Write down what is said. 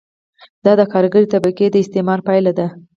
دا د کارګرې طبقې د استثمار پایله ده